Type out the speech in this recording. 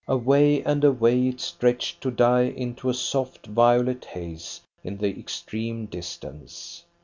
Away and away it stretched to die into a soft, violet haze in the extremest distance.